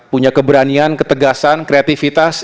punya keberanian ketegasan kreativitas